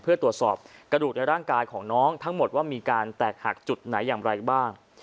เพื่อตรวจสอบกระดูกในร่างกายของน้องทั้งหมดว่ามีการแตกหักจุดไหนอย่างไรบ้าง